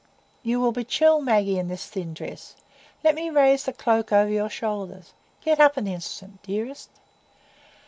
"You will be chill, Maggie, in this thin dress. Let me raise the cloak over your shoulders. Get up an instant, dearest."